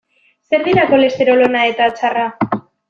Zer dira kolesterol ona eta txarra?